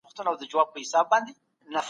هغه وویل چي وطن د بدن د روح په څېر دی.